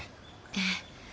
ええ。